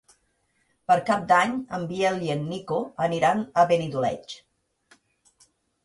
Per Cap d'Any en Biel i en Nico aniran a Benidoleig.